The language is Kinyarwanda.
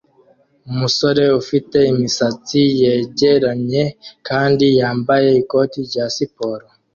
Umusore ufite imisatsi yegeranye kandi yambaye ikote rya siporo